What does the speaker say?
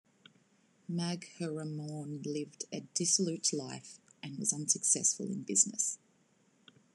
Magheramorne lived a dissolute life, and was unsuccessful in business.